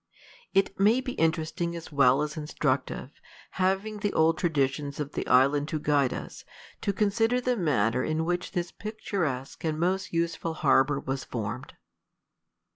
It may be interesting as well as instructive, having the old traditions of the island to guide us, to consider the manner in which this picturesque and most useful harbor was formed.